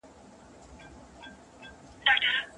زده کړه د هر انسان لپاره اړینه ده.